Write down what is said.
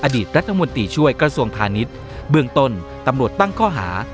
อดีตรัฐมนตรีช่วยกระทรวงพาณิชย์เบื้องต้นตำรวจตั้งข้อหา